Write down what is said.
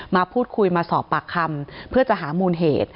มาพูดคุยมาสอบปากคำเพื่อจะหามูลเหตุ